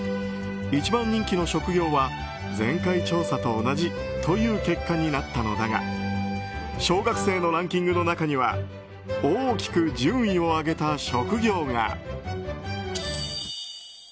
一番人気の職業は前回調査と同じという結果になったのだが小学生のランキングの中には大きく順位を上げた職業が。